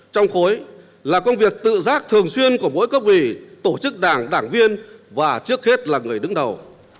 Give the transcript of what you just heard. trong khối là công việc tự giác thường xuyên của mỗi cấp ủy tổ chức đảng đảng viên và trước hết là người đứng đầu